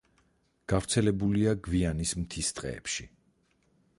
გავრცელებულია გვიანის მთის ტყეებში.